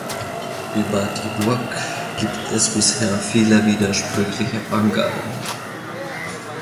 Über die Burg gibt es bisher viele widersprüchliche Angaben.